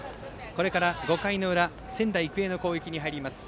これから５回裏仙台育英の攻撃です。